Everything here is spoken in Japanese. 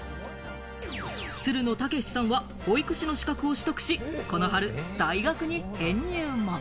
つるの剛士さんは保育士の資格を取得し、この春、大学に編入も。